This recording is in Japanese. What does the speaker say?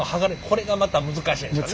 これがまた難しいんですよね。